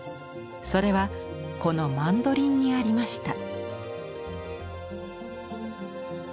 それはこのマンドリンにありました。